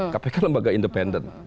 kpk lembaga independen